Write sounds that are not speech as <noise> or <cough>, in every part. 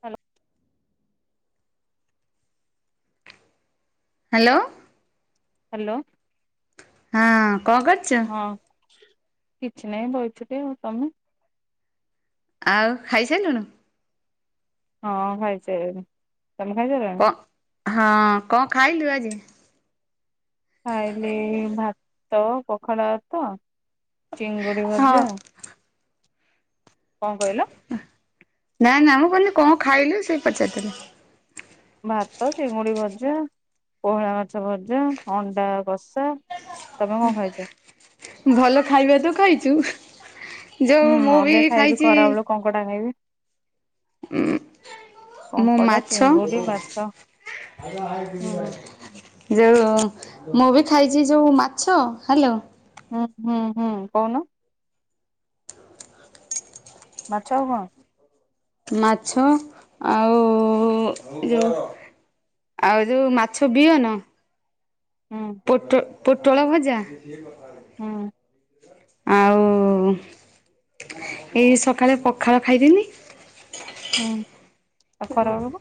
ହାଲ hello. Hello. ହଁ କଁ କରଚ? ହଁ କିଛି ନାହିଁ ବଇଛିତ। ତମେ? ଆଉ ଖାଇସାରିଲୁଣୁ? ହଁ ଖାଇ ସାଇଲିନି। ତମେ ଖାଇସାଈନା? କଣ ହଁ କଁ ଖାଇଲୁ ଆଜି? ଖାଇଲି ଭାତ ପଖାଳ ତ ଚିଙ୍ଗୁଡି ହଁ। ଭଜା। କଣ କହିଲ? ନା ନା ମୁଁ କହିଲି କଣ ଖାଇଲୁ ସେଇ ପଚାରଥିଲି। ଭାତ ଚିଙ୍ଗୁଡି ଭଜା ପୋହଳା ମାଛ ଭଜା ଅଣ୍ଡା କଷା। ତମେ କଣ ଖାଇଛ? ଭଲ ଖାଇବା ତ ଖାଇଛୁ। ହୁଁ ଯଉ ମୁଁ ବି ଅବିକା ଖାଇବି ଖାଇଛି ଖରା ବେଳୁ କଙ୍କଡା ଖାଇବି। ଉଁମ୍ ମୁଁ କଙ୍କଡା ମାଛ ଚିଙ୍ଗୁଡି ମାଛ ହୁଁ ଯୋଉଁ ମୁଁ ବି ଖାଇଛି ଯୋଉ ମାଛ। ହେଲୋ? ହୁଁ ହୁଁ ହୁଁ କହୁନ? ମାଛ ଆଉ ଙ୍କ? ମାଛ ଆଉ ଯଉ ଆଉ ଯୋଉ ମାଛ ବିିଅନ। ହୁଁ ପୋଟ, ପୋଟଳ ଭଜା। ହୁଁ। ଆଉ ଏଇ ସଖାଳେ ପଖାଳ ଖାଇଥିନି। ହୁଁ। ଆଉ ଖରା ବେଳକୁ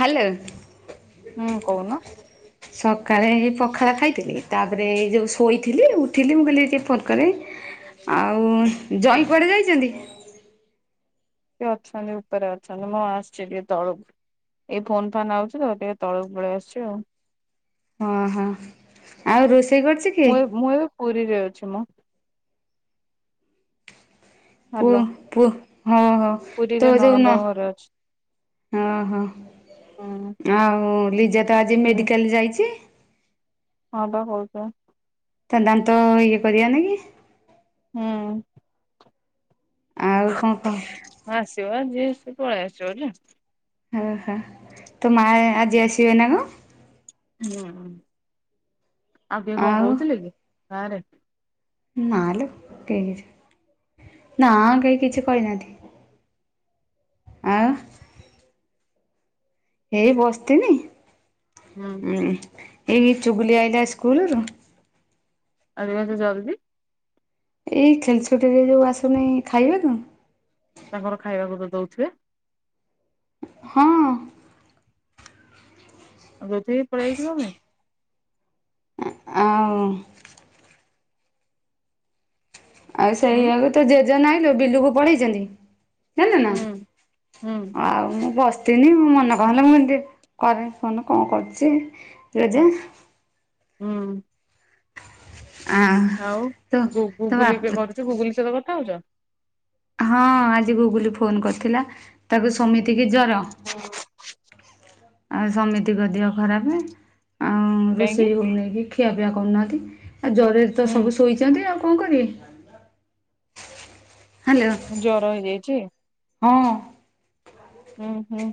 ହାଲୋ? ହୁଁ କହୁନ? ସକାଳେ ଏଇ ପଖାଳ ଖାଇଥିଲି ତାପରେ ଏଇ ଯଉଁ ଶୋଇଥିଲି, ଉଠିଲି। ମୁଁ କହିଲି ଟିକେ ଫୋନ୍ କରେ। ଆଉ ଜଇଁ କୁଆଡେ ଯାଇଛନ୍ତି? ସେ ଅଛନ୍ତି ଉପରେ ଅଛନ୍ତି। ମୁଁ ଆସିଛି ଟିକେ ତଳକୁ। ଏଇ ଫୋନ୍ ଫାନ୍ ଆଉଛି ତ ଟିକେ ତଳକୁ ପଳେଇ ଆସୁଛି ଆଉ। ହଁ ହଁ। ଆଉ ରୋଷେଇ କରୁଛି। ମୁଁ ମୁଁ ଏବେ ପୁରୀରେ ଅଛି ମ। ପୁ ହାଲୋ ପୁ ହଁଉ ହଁଉ। ପୁରୀରେ ନଣନ୍ଦଙ୍କ ଘରେ ଅଛି। ଓହୋ ହୁଁ ଆଉ ଲିଜା ତ ଆଜି ହୁଁ। ମେଡ଼ିକାଲ ଯାଇଛି। ହଁ ବା ହଉଛ। ତା ଦାନ୍ତ ଇଏ କରିବା ନାକି ହୁଁ। ଆଉ କଣ କହ? ହଁ ଆସିବ ଯିଏସ ପଳେଇ ଆସିବ ହେଲା। ଓହୋ ତୋ ମା ଆଜି ଆସିବେ ନା କଣ? ହୁଁ ଆଉ କିଏ କଣ ଆଉ କହୁଥିଲେ କି? ଗାଁ ରେ। ନାଲ କେଇ କିଛି ନାଁ କେହି କିଛି କହିନାନ୍ତି। ଆଉ? ହେଇ ବସିଥନିଁ। ହୁଁ ହମ୍ ଏଇ ଚୁଗୁଲି ଆଇଲା ସ୍କୁଲରୁୁ। ଆଜି ଙ୍କ ଏତେ ଜଲ୍ଦି? ଏଇ ଖେଲଛୁଟିରେ ଯୋଉ ଆସୁନେଇ ଖାଇବାକୁ। ତାଙ୍କର ଖାଇବାକୁ ତ ଦଉଥୁବେ। ହଁ ଆଉ ରଥି ପଳେଇଯିବମେ ଆଉ ଆଉ ହୁଁ ସେଇଆକୁ ତ ଜେଜେ ନାଇଲୁ ବିଲୁକୁ ପଳେଇଛନ୍ତି। ନା ନା ହୁଁ ହୁଁ ଆଉ ମୁଁ ବସି ତିନି ମ ମନେ କହଲା ମୁଁ ଏମତି କରେନି ଫୋନ କଣ କରୁଛି ଜା- ହୁଁ ଆ ଆଉ ତୋ ତୋ ଗୁଗୁଲ ପେ ବାପ କରୁଛୁ ଗୁଗୁଲ ସହିତ କଥା ହଉଛ। ହଁ ଆଜି ଗୁଗୁଲି ଫୋନ କରିଥିଲା। ତାକୁ ସୁମିତିକି ଜର। ଆଉ ସମିତିକ ଦିଅ ଖରାପେ ଆଉ କାହିଁକି ରୋଷେଇ ହେଇନେଇକି ଖିଆପିଆ କରୁନାହାଁନ୍ତି ଆଉ ଜରରେ ତ ହୁଁ ସବୁ ଶୋଇଚନ୍ତି ଆଉ କଣ କରିବେ? ହାଲୋ। ଜର ହେଇଯାଇଚି? ହଁ। ହୁଁ ହୁଁ।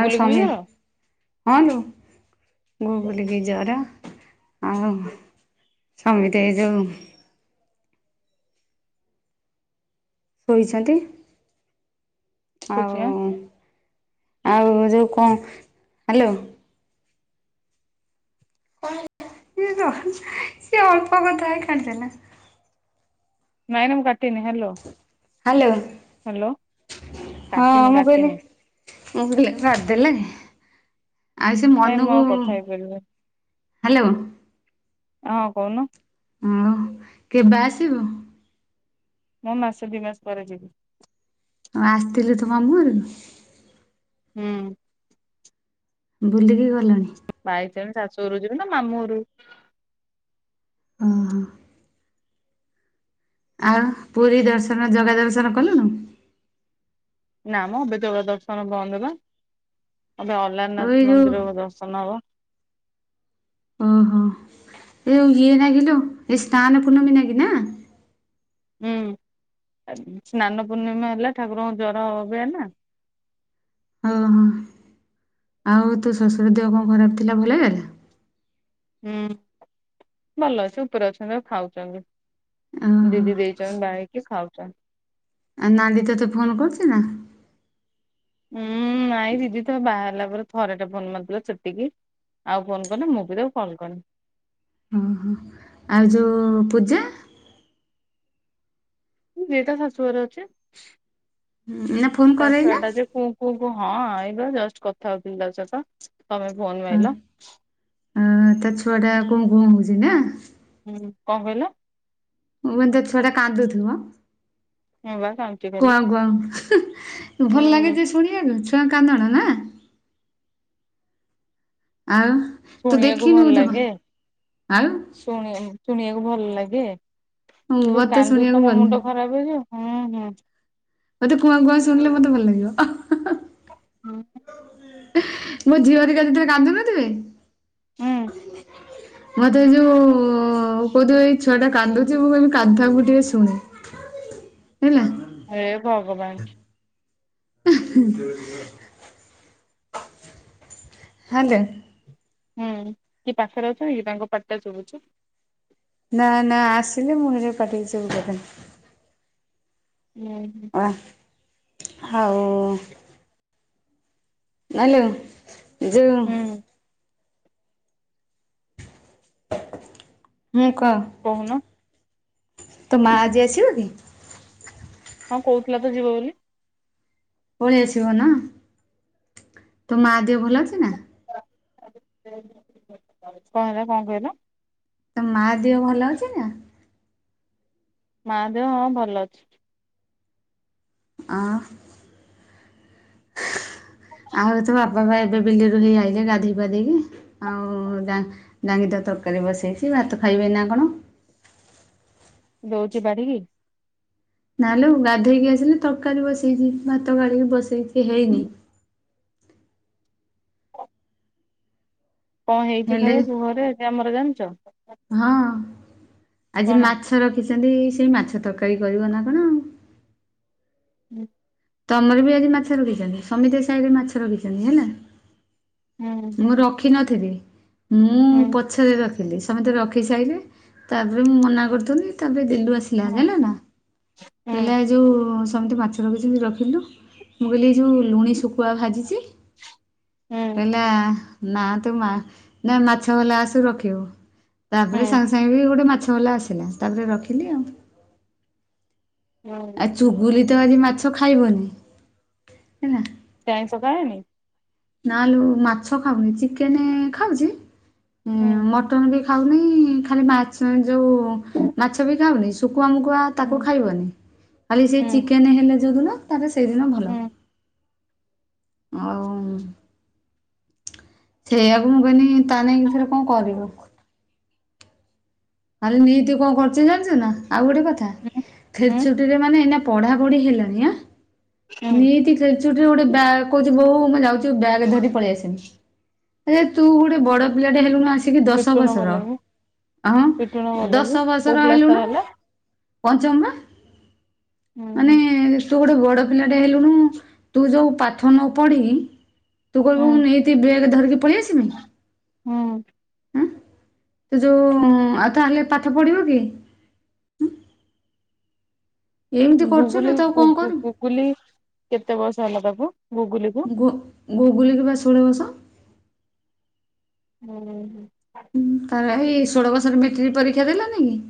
ଆଉ ବି ସମୀର ଜର ହଁ ଲୋ ଗୁଗୁଲି କି ଜର ଆଉ ସମେତେ ଏ ଯୋଉ ଶୋଇଛନ୍ତି। କୋଚିଆ ଆଉ ଆଉ ଯୋଉ କଣ ହାଲୋ। ସିଏ ଅଳ୍ପ କଥା ହେଇକି କାଟିଦେଲା। ନାଇଁ ନାଇଁ ମୁଁ କାଟିନି ହାଲୋ। ହାଲୋ ହଁ କାଟିନି ମୁଁ କଇଲି କାଟିନି ମୁଁ କଇଲି କାଦେଲେ। ଆଉ ସିଏ ନାଇଁ ମୁଁ ମନୁକୁ ଆଉ କଥା ହେଇପାରିବିନି ହାଲୋ। ହଁ କଉନୁ। ଆଉ କେବେ ଆସିବୁ? ମୁଁ ମାସେ ଦି ମାସ ପରେ ଯିବି। ଆଉ ଆସିଥିଲୁ ତୁ ମାମୁ ଘରୁକୁ? ହୁଁ। ବୁଲିକି ଗଲଣି। ବା ହେଇ ଲ <unintelligible> ଶାଶୁ ଘରକୁ ଯିବ ନା ମାମୁଁ ଘରକୁ ଓ ହୋ। ଆଉ ପୁରୀ ଦର୍ଶନ ଜଗା ଦର୍ଶନ କଲୁଣୁ? ନା ମ ଏବେ ଜାଗା ଦର୍ଶନ ବନ୍ଦ ପା ଏବେ ଆଉ ଏଇ ଅଲାରନାଥ ଯୋଉ ମନ୍ଦିର ଦର୍ଶନ ହବ। ଓହୋ ଏଇ ଯୋଉ ଇଏ ନାଗିଲୋ ଏଇ ସ୍ନାନ ପୂର୍ଣ୍ଣମୀ ନାଗି ନା। ହୁଁ ସ୍ନାନ ପୂର୍ଣ୍ଣିମା ହେଲା ଠାକୁରଙ୍କୁ ଜର ହବେ ନା। ଓ ହୋ ଆଉ ତୋ ଶଶୁର ଦେହ କଣ ଖରାପ ଥିଲା ଭଲ ହେଇଗଲା? ହୁଁ ଭଲ ଅଛି ଉପରେ ଅଛନ୍ତି ଆଉ ଖାଉଚନ୍ତି। ଓହୋ ଦିଦି ଦେଇଚନ୍ତି ବାଇକି ଖାଉଚନ୍ତି। ଆଉ ନାଣ୍ଡି ତତେ ଫୋନ କରୁଚି ନା? ଉଁ ନାଇଁ ଦିଦି ତ ବାହାହେଲା ପରେ ଥର ଟେ ଫୋନ ମାରିଥିଲା ସେତିକି। ଆଉ ଫୋନ କନି ମୁଁ ବି ତାକୁ କଲ କରିନି। ଓ ହୋ ଆଉ ଯୋଉ ପୂଜା ସିଏ ତା ଶାଶୁଘରେ ଅଛି ନା ଫୋନ୍ ତା କରେଇ ଛୁଆ ନା ଟା ଯେ କୁଁ କୁଁ କୁଁ ହଁ ଏଇ ପା ଜଷ୍ଟ କଥା ହଉଥିଲି ତା ସତ ତମେ ଫୋନ ମାଇଲ। ହୁଁ ତା ଛୁଆ ଟା କୁଁ କୁଁ ହଉଚି ନା। ହୁଁ କଁ କଇଲ? ମୁଁ କଇନି ତା ଛୁଆଟା କାନ୍ଦୁଥୁବ। ମୁଁ ବା କାନ୍ଦୁଚି କୁଆଁ ଖାଲି କୁଆଁ ହୁଁ ଭଲ ଲାଗେ ଯେ ଶୁଣିବାକୁ ଛୁଆଙ୍କ କାନ୍ଦଣା ନା। ଆଉ ତୁ ଶୁଣିବାକୁ ଦେଖିନୁ ଭଲ ଜମା ଲାଗେ। ଆଉ ଶୁଣି ଶୁଣିବାକୁ ଭଲ ଲାଗେ ସେ ଯୋଉ ମତେ କାନ୍ଦୁଚି ଶୁଣିବାକୁ ତମ ଭଲ ମୁଣ୍ଡ ଖରାପ ହୋଇଯିବ। ହୁଁ ହୁଁ। ମୋତେ କୁଆଁ କୁଆଁ ଶୁଣିଲେ ମତେ ଭଲ ଲାଗିବ। <inaudible> ମୋ ଝିଅହେରିକା ଯେତେ କାନ୍ଦୁନଥିବେ ହୁଁ। ମତେ ଯୋଉ ଉପଦେଇଛ। ଛୁଆଟା କାନ୍ଦୁଛି ମୁଁ କହିବି କାନ୍ଦୁଥାଉ ମୁଁ ଟିକେ ଶୁଣେ ହେଲା। ହେ ଭଗବାନ। <inaudible> ହାଁଲେ ହୁଁ କିଏ ପାଖରେ ଅଛନ୍ତି କି ତାଙ୍କ ପାଟିଟା ଶୁଭୁଚି? ନା ନା ଆସିଲେ ମୁଁ ହେଯୋଗୁ ପାଟିକୁ ଚୁପୁ କରିଦେଲି। ଉ ହୁଁ। ଆ ହାଉ ନାଇଲୋ ଯୋଉଁ ହୁଁ ହୁଁ କ କହୁନ ତୋ ମା ଆଜି ଆସିବ ଟି? ହଁ କହୁଥିଲା ତ ଯିବ ବୋଲି। ପଳେଇ ଆସିବ ନା, ତୋ ମା ଦେହ ଭଲ ଅଛି ନା? କଣ ହେଲା କଣ କହିଲ? ତୋ ମା ଦେହ ଭଲ ଅଛି ନା। ମା ଦେହ ହଁ ଭଲ ଅଛି। ଆ ଆଉ ତ ବାପା ବା ଏବେ ବିଲରୁ ହେଇ ଆଇଲେ ଗାଧୋଇ ପାଧେଇକି। ଆଉ ଡାଙ୍ଗି ଦ ତରକାରୀ ବସେଇଛି ଭାତ ଖାଇବେ ନା କଣ? ଦଉଛି ବାଢିକି। ନାଲୋ ଗାଧେଇକି ଆସିଲି ତରକାରୀ ବସେଇଛି, ଭାତ ଗାଳିକି ବସେଇଛି ହେଇନି। <inaudible> କଣ ହେଇଛିି ହେଲେ ଖାଇବାକୁ ଘରେ ଆମର ଜାଣିଛ? ହଁ ଆଜି କଣ? ମାଛ ରଖିଛନ୍ତି, ସେଇ ମାଛ ତରକାରୀ କରିବ ନା କଣ? ହୁଁ। ତମର ବି ଆଜି ମାଛ ରଖିଛନ୍ତି ସମିତି ସାହିରେ ମାଛ ରଖିଛନ୍ତି ହେଲା। ହୁଁ ହୁଁ ମୁଁ ରଖିନଥିଲି ମୁଁ ହୁଁ ପ ପଛରେ ରଖିଲି ସମସ୍ତେ ରଖି ସାଇଲେ ତାପରେ ମୁଁ ମନା କରୁଥିଲି ତାପରେ ଦିଲୁ ଆସିକି ଦେଲା ହେଲାନା ହେଲା ହୁଁ ଏଇ ଯୋଉଁ ସ <inaudible> ରଖି ଯେମିତି ରଖିଲୁ ମୁଁ କହିଲି ଏ ଯେଉଁ ଲୁଣି ଶୁଖୁଆ ଭାଜିଛି। ହୁଁ କହିଲା ନା ତୁ ନା ମାଛ ବଲା ଆସୁ ରଖିବୁ। ତାପରେ ହୁଁ ସାଙ୍ଗେ ସାଙ୍ଗେ ବି ଗୋଟେ ମାଛ ବାଲା ଆସିଲା ତାପରେ ରଖିଲି ଆଉ। ଆଉ ହୁଁ। ଚୁଗୁଲି ତ ଆଜି ମାଛ ଖାଇବନି ହେଲା। ସେ ଆଇଁଷ ଖାଏନି? ନା ଲୋ ମାଛ ଖାଉନି ଚିକେନ ଖାଉଛି ଏ ହୁଁ ମଟ ମଟନ ବି ଖାଉନି ଖାଲି ଯୋଉ ମାଛ ବି ଖାଉନି ଶୁଖୁଆ ମୁଖୁଆ ତାକୁ ହୁଁ ଖାଇବନି ଖାଲି ସେ ହୁଁ ଚିକେନ ହେଲେ ଯୋଉ ଦିନ ତା ସେଇଦିନ ଭଲ। ହୁଁ ଆଉ ସେଇଆକୁ ମୁଁ କହିଲି ତା ନେଇଁକି ଥରେ କଣ କରିବ। ଖାଲି ନିତି କଣ କରୁ ଜାଣିଛୁ ନା ଆଉ ଗୋଟେ କଥା, ହୁଁ। ହୁଁ ଛୁଟିରେ ମାନେ ଏଇନା ମାନେ ପଢାପଢି ହେଲାନି ଆ ହୁଁ ନିଟ ଖେଳଛୁଟି ଟିରେ ଗୋଟେ ବ୍ୟଗ କହୁଛି ବୋଉ ମୁଁ ଯାଉଛି ବ୍ୟଗ ଧରି ପଳେଇ ଆସିବି। ଆରେ ତୁ ଗୋଟେ ବଡ ପିଲାଟେ ହେଲୁଣି ଆସିକି ଦଶ ପିଟୁନୁ ଭଲ ବର୍ଷର କି ହଁ। ପିଟୁନୁ ଭଲ କି ଦଶ କୋଉ ବର୍ଷର କ୍ଲାସ ତାର ହେଲୁନୁ ହେଲା? ପଞ୍ଚମ ପା। ହୁଁ ହୁଁ। ତୁ ଗୋଟେ ବଡ ପିଲାଟେ ହେଲୁଣୁ ତୁ ଯୋଉ ପାଠ ନ ପଢି କି ତୁ ହୁଁ କହିବୁ ମୁଁ ନି ଟି ବ୍ଯଗ ଧରିକି ପଳିଆସିବି। ହୁଁ। ଆଁ ତ ଯୋଉ ଆଉ ତାହେଲେ ପାଠ ପଢିବ କିଏ? ଏମିତି କରୁଛୁ ଲୋ ଗୁଗୁଲି ତାକୁ କଣ କରିବୁ ପୁ-ପୁ-ପୁକୁଲି କେତେ ବୟସ ହେଲା ତାକୁ ଗୁଗୁଲିକୁ? ଗୁ ଗୁଗୁଲିକି ପା ଷୋଳ ବର୍ଷ। ଉଁ ହୁଁ। ହୁଁ ତାର ପା ହେଇ ଷୋଳ ବର୍ଷରେ ମେଟ୍ରିକ ପରୀକ୍ଷା ଦେଲାନେଇ କି?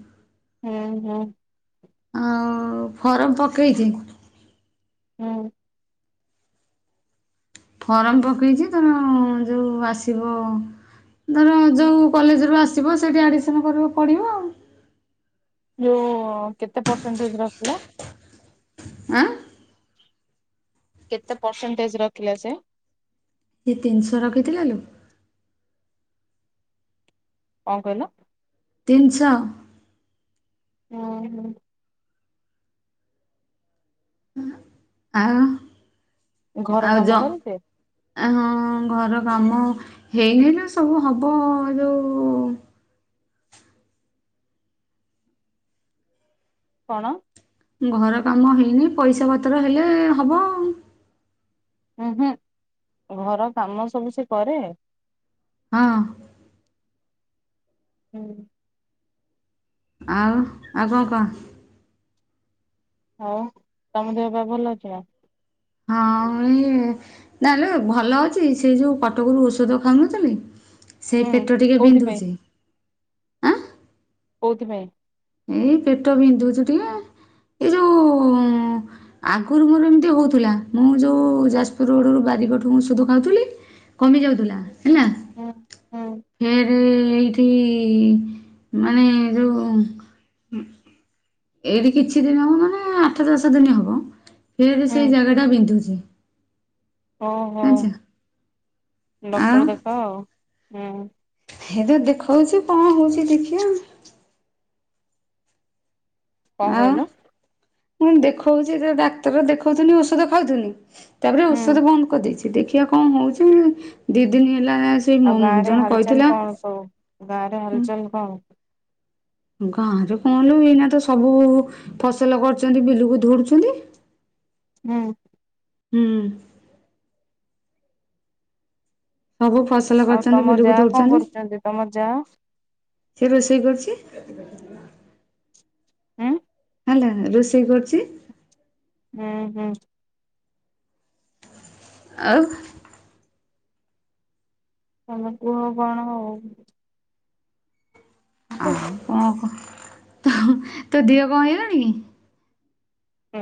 ହୁଁ ହୁଁ। ଆଉ ଫର୍ମ ପକେଇଚି ଉଁ। ଫର୍ମ ପକେଇଚି ତେଣ ଯୋଉ ଆସିବ ଧର ଯୋଉ କଲେଜରୁ ଆସିବ ସେଇଠି ଆଡମିସନ କରିବ ପଡିବ ଆଉ। ଯୋଉ କେତେ ପରସେଣ୍ଟେଜ ରଖିଲା? ଆଁ? କେତେ ପରସେଣ୍ଟେଜ୍ ରଖିଲା ସେ? ସିଏ ତିନିଶହ ରଖିଥିଲା ଲୋ। କଣ କହିଲ? ତିନିଶ। ଓହୋ। ଆଉ ଘର ଆଉ କାମ ଯ କରେ ସେ? ଆ ହଁ ଘର କାମ ହେଇନି ନା ସବୁ ହବ ଯୋଉ କଣ? ଘର କାମ ହେଇନି ପଇସା ପତ୍ର ହେଲେ ହବ। ଉଁ ହୁଁ ଘର କାମ ସବୁ ସେ କରେ? ହଁ। ହୁଁ। ଆଉ ଆଉ କଣ କହ? ଆଉ ତମ ଦେହପାଆ ଭଲ ଅଛି ନା? ହଁ ଇଏ ନାଲେ ଭଲ ଅଛି ସେଇ ଯୋଉ କଟକରୁ ଔଷଧ ଖାଉନଥିଲି ସେଇ ହୁଁ ପେଟ ଟିକେ କୋଉଥିପାଇଁ ବିନ୍ଧୁଚି। କୋଉଥି ପାଇଁ? ଏଇ ପେଟ ବିନ୍ଧୁଚି ଟିକେ। ଆଗଗରୁ ମୋର ଏମତି ହେଉଥୁଲା ମୁଁ ଯୋଉ ଯାଜପୁର ରୋଡ଼ରୁ ବାରିକଠୁଁ ଓଷଧ ଖାଉଥୁଲି କମି ଯାଉଥୁଲା ହେଲା ହୁଁ। ହୁଁ ଫେରେ ଏଇଠି ମାନେ ଯୋଉ ହୁଁ। ଏଇଠି କିଛି ଦିନ ହବ ମାନେ ଆଠ ଦଶ ଦିନ ହବ ଫେରେ ହୁଁ ସେଇ ଜାଗାଟା ବିନ୍ଧୁଚି। ଓହୋ ଡକ୍ଟର ଆଉ ଦେଖାଅ ଆଉ ହୁଁ। ହେ ତ ଦେଖୋଉଚି କଣ ହୋଉଚି ଦେଖିିଆ। କଣ ଆଉ କହିଲ? ମୁଁ କଇନି ଦେଖୋଉଚି ତ ଡାକ୍ତର ଦେଖୋଉଥୁନି ଔଷଧ ଖାଉଥୁନି ତାପରେ ହୁଁ ଔଷଧ ବନ୍ଦ କରିଦେଇଚି ଦେଖିଆ କଣ ହୋଉଚି ମୁଁ ଦିଇ ଦିନ ହେଲା ସେଇ ମୋ ଆଉ ଗାଁରେ ଜଣେ ହାଲଚାଲ କହିଥିଲା କଣ ସବୁ ଗାଁରେ ହାଲଚାଲ କଣ? ଗାଁରେ କଣଲୋ ଏଇନା ତ ସବୁ ଫସଲ କରୁଚନ୍ତି ବିଲକୁ ଧୋଉଡୁଚନ୍ତି। ନା? ହୁଁ। ସବୁ ଫସ୍ ଆଉ ତମ ଯାଆ କଣ କରୁଚନ୍ତି ତମ ଯାଆ? ସିଏ ରୋଷେଇ କରୁଚି। ଆଁ? ଆଲାରା ରୋଷେଇ କରୁଚି। ହୁଁ ହୁଁ। ଆଉ ତମେ କୁହ କଣ ଆଉ। ଆ ଉଫ୍ କଣ କ ତୋ ତୋ ଦେହ କଣ ହେଇଲାଣି କି?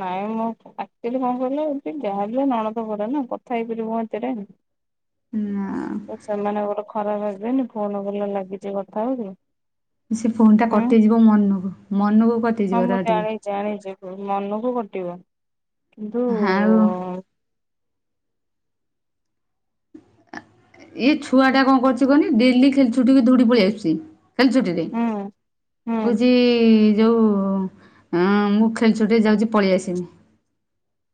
ନାଇଁ ମଁ ଆକ୍ଚୁଲି କଣ କହିଲ ଯାହାବି ହେଉ ନଣନ୍ଦ ଘରେ ନା କଥା ହେଇପାରିବ ମୋ ଏତିରେ ନା। ସେମାନେ ଗୋଟେ ଖରାପ ଭାବିବେନି, ଫୋନ ଭଲ ଲାଗିଛି କଥା ହଉଛି। ସେ ଫୋନ ଟା ହୁଁ କଟିଯିବ ମନକୁ ମନକୁ ହଁ କଟିଯିବ ମୁଁ ରହ ଟିକେ। ଜାଣି ଜାଣିଛି ମନକୁ କଟିବ କିନ୍ତୁ ଆଉ ଏଇ ଛୁଆ ଟା କଣ କରୁଛି କହନି ଡେଲି ଖେଳଛୁଟିକୁ ଦଉଡ଼ି ପଳେଇ ଆସୁଛି, ଖେଳଛୁଟିରେ ରେ ହୁଁ ହୁଁ ହଉଚି ଯୋଉ ଆଁ ମୁଁ ଖେଳଛୁଟିରେ ଯାଉଛି ପଳେଇ ଆସିମି।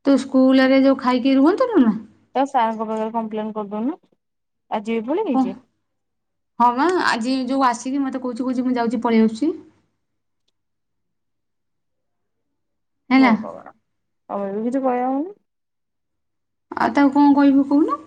ତୁ ସ୍କୁଲ ଆଗେ ଯୋଉ ଖାଇକି ରୁହନ୍ତୁନୁ ନା? ତା ସାର୍ ଙ୍କ ପାଖରେ କମ୍ପ୍ଲେନ୍ କରିଦୋଉନ, ଆଜି ବି ପଳେଇ ଓ ଆଇଚି? ହଁ ପା ଆଜି ଯୋଉ ଆସିକି ମତେ କହୁଛି କହୁଛି ମୁଁ ଯାଉଛି ପଳେଇ ଆସୁଛି। ହେଲା ଭଗବାନ, ତମେ ବି କିଛି କହିବାକୁ ନାଈଁ। ଆଉ ତାକୁ କଣ କହିବୁ କହୁନ?